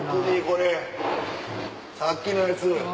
これさっきのやつ。